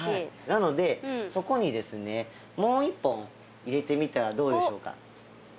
なのでそこにですねもう一本入れてみてはどうでしょうか。